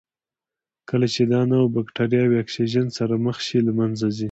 کله چې دا نوعه بکټریاوې اکسیجن سره مخ شي له منځه ځي.